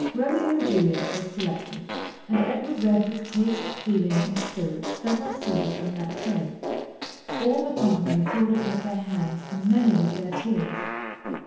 'Romeo and Juliet' was selected, and Edward read with taste, feeling, and spirit several scenes from that play. All the company applauded with their hands, and many with their tears.